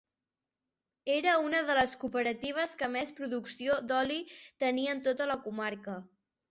Era una de les cooperatives que més producció d'oli tenia de tota la comarca.